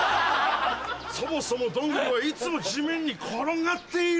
そもそもどんぐりはいつも地面に転がっている！